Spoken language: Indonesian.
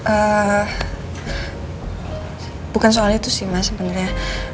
ehm bukan soal itu sih ma sebenernya